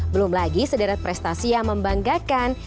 belum lagi sederet prestasi yang membanggakan